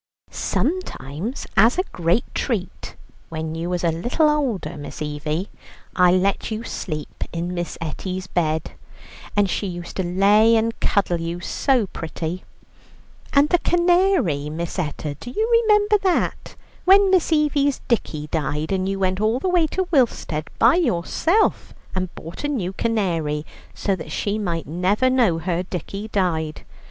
"Sometimes as a great treat, when you was a little older, Miss Evie, I let you sleep in Miss Etty's bed, and she used to lay and cuddle you so pretty. And the canary, Miss Etta do you remember that? When Miss Evie's dickie died, you went all the way to Willstead by yourself and bought a new canary, so that she might never know her dickie died.